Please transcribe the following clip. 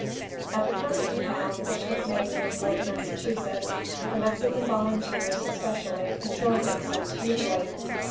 At the permanent camp, which was made near Fort Massachusetts, the Mexican Volunteers, especially, enjoyed themselves hugely.